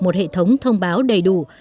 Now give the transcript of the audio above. một hệ thống thông báo đầy đủ